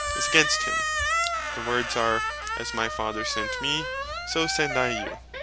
is against him. The words are, "As my Father sent me, so send I you."